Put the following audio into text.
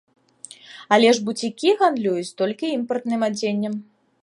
Але ж буцікі гандлююць толькі імпартным адзеннем.